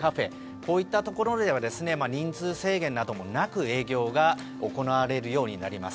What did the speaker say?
こういったところでは人数制限などもなく営業が行われるようになります。